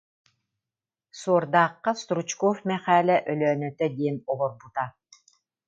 Суордаахха Стручков Мэхээлэ Өлөөнөтө диэн олорбута